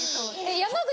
山口